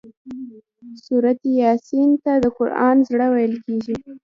سورة یس ته د قران زړه ويل کيږي